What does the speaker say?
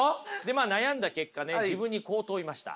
まあ悩んだ結果ね自分にこう問いました。